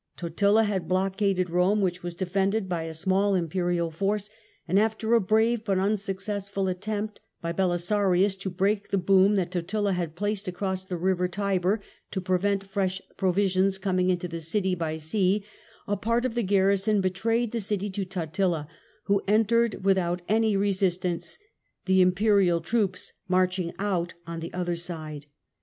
Totila had blockaded Rome, which was defended by a small Imperial force, and after a brave but unsuccessful attempt by Belisarius to break the boom that Totila had placed across the river Tiber to prevent fresh provisions coming into the city by sea, a part of the garrison betrayed the city to Totila, who entered without any resistance, the Im perial troops marching out on the other side.